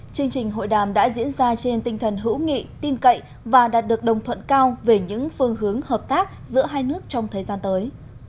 chương trình hội đàm đã diễn ra trên tinh thần hữu nghị tin cậy và đạt được đồng thuận cao về những phương hướng hợp tác giữa hai nước trong thời gian tới